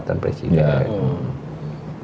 ketika terjadi kesempatan presiden